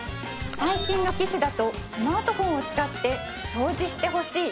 最新の機種だとスマートフォンを使って掃除してほしい